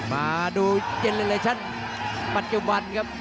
มาดูดักงานปัจจุบันครับ